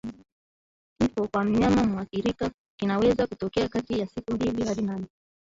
Kifo kwa mnyama muathirika kinaweza kutokea kati ya siku mbili hadi nane